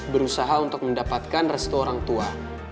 berusaha untuk mendapatkan restu orang tua